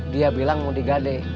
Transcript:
dia bilang mau digade